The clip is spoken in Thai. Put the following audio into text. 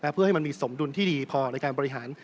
เพื่อให้มันมีสมดุลที่ดีพอในการบริหาร